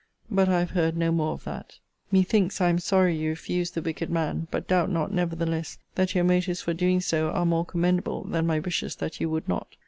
But I have heard no more of that. Methinks, I am sorry you refuse the wicked man: but doubt not, nevertheless, that your motives for doing so are more commendable than my wishes that you would not.